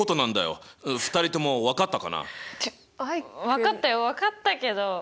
分かったよ分かったけど。